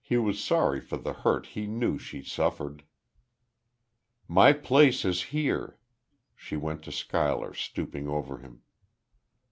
He was sorry for the hurt he knew she suffered. "My place is here." She went to Schuyler, stooping over him.